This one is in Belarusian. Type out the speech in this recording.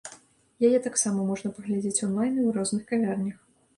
Яе таксама можна паглядзець онлайн і ў розных кавярнях.